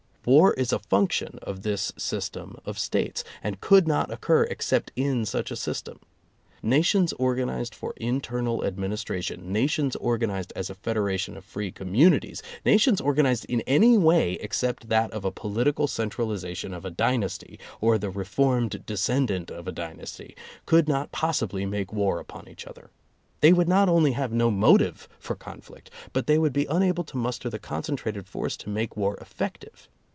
War is a function of this system of States, and could not occur except in such a system. Nations organized for internal administration, nations or ganized as a federation of free communities, nations organized in any way except that of a political centralization of a dynasty, or the re formed descendant of a dynasty, could not pos sibly make war upon each other. They would not only have no motive for conflict, but they would be unable to muster the concentrated force to make war effective.